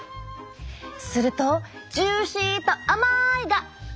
するとジューシーと甘いが。